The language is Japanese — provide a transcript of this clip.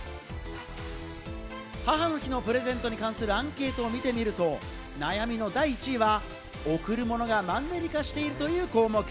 母の日のプレゼントに関するアンケートを見てみると、悩みの第１位は、贈る物がマンネリ化しているという項目。